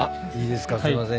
すいません。